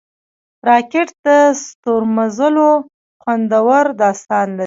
راکټ د ستورمزلو خوندور داستان لري